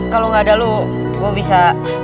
kalau gak ada lu gue bisa